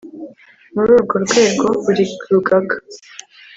Muri urwo rwego buri rugaga